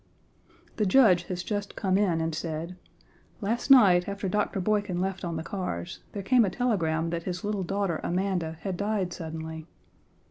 The Judge has just come in and said: "Last night, after Dr. Boykin left on the cars, there came a telegram that his little daughter, Amanda, had died suddenly."